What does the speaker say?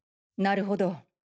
なるほど。